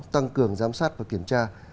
tăng cường giám sát và kiểm tra